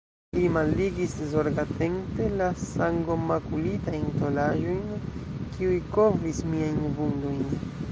Li malligis zorgatente la sangomakulitajn tolaĵojn, kiuj kovris miajn vundojn.